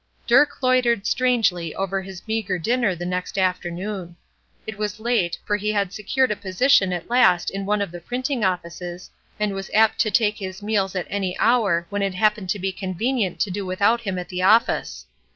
Dirk loitered strangely over his meagre dinner the next afternoon. It was late, for he had secured a position at last in one of the printing offices, and was apt to take his meals at any hour when it happened to be convenient to do without him at the office.